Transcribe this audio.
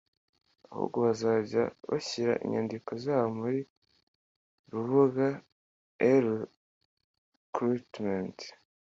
ahubwo bazajya bshyira inyandiko zabo ku rubuga E-recruitment